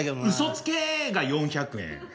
「うそつけ！」が４００円。